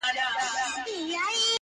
مرغلري په ګرېوان او په لمن کي!.